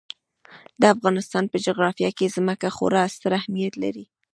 د افغانستان په جغرافیه کې ځمکه خورا ستر اهمیت لري.